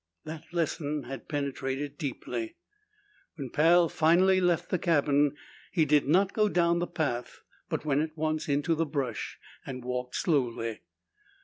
The lesson had penetrated deeply. When Pal finally left the cabin, he did not go down the path but went at once into the brush and walked slowly.